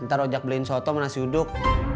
ntar ojak beliin soto sama nasi uduk